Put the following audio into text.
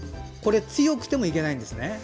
強くてもいけないんですね。